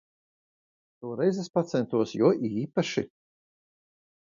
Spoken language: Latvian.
Šoreiz es pacentos jo īpaši.